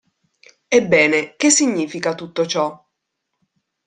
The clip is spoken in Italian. Ebbene, che significa tutto ciò?